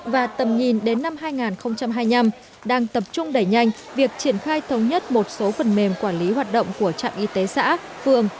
và tầm nhìn đến năm hai nghìn hai mươi năm đang tập trung đẩy nhanh việc triển khai thống nhất một số phần mềm quản lý hoạt động của trạm y tế xã phường